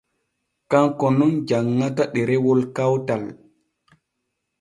Kanko nun janŋata ɗerewol kawtal.